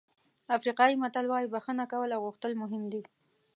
افریقایي متل وایي بښنه کول او غوښتل مهم دي.